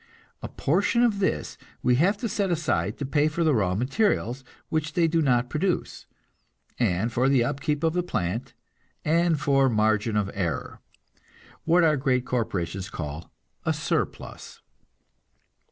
A portion of this we have to set aside to pay for the raw materials which they do not produce, and for the upkeep of the plant, and for margin of error what our great corporations call a surplus.